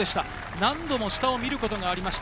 何度も下を見ることがありました。